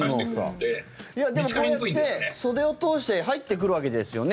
でも、こうやって袖を通して入ってくるわけですよね？